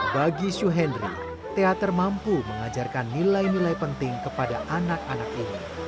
bagi syuhendri teater mampu mengajarkan nilai nilai penting kepada anak anak ini